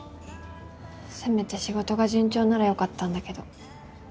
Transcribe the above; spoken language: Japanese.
せめて仕事が順調ならよかったんだけど。